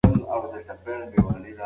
خلاقیت د پرمختګ لامل دی.